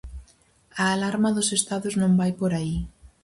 A alarma dos estados non vai por aí.